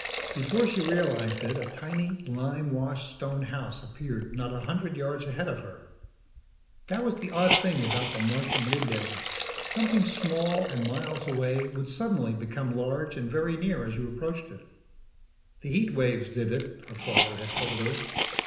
Before she realized it, a tiny, lime washed stone house appeared not a hundred yards ahead of her. That was the odd thing about the Martian midday; something small and miles away would suddenly become large and very near as you approached it. The heat waves did it, her father had told her.